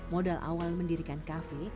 modal awal mendirikan cafe